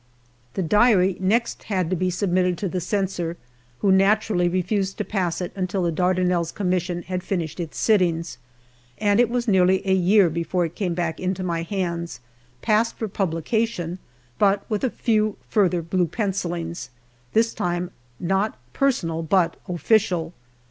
The diary next had to be submitted to the Censor, who naturally refused to pass it until the Dardanelles Commission had finished its sittings, and it was nearly a year before it came back into my hands, passed for pub lication, but with a few further blue pencillings, this time not personal, but official.